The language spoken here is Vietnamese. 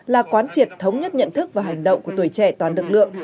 là quán triệt thống nhất nhận thức và hành động của tuổi trẻ toàn lực lượng